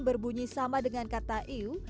berbunyi sama dengan kata iu